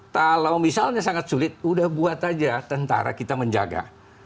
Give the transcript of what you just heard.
kalau misalnya sangat sulit udah buat aja tentara kita menjaga